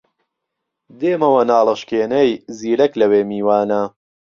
دێمەوە ناڵەشکێنەی زیرەک لەوێ میوانە